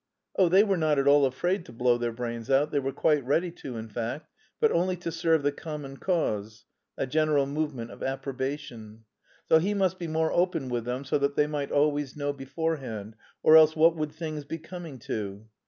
Oh, they were not at all afraid to blow their brains out, they were quite ready to, in fact, but only to serve the common cause (a general movement of approbation). So he must be more open with them so that they might always know beforehand, "or else what would things be coming to?"